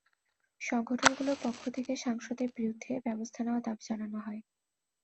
সংগঠনগুলোর পক্ষ থেকে সাংসদের বিরুদ্ধে ব্যবস্থা নেওয়ার দাবি জানানো হয়।